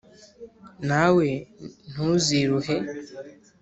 Na we ntuziruhe,